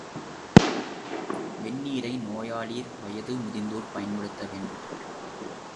வெந்நீரை நோயாளிர், வயது முதிர்ந்தோர் பயன்படுத்த வேண்டும்.